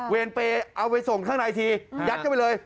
เวียนเปย์เอาไปส่งข้างในทียัดกันไปเลย